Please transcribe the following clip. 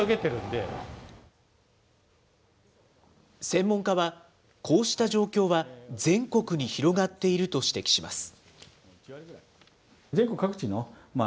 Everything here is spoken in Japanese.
専門家は、こうした状況は全国に広がっていると指摘します。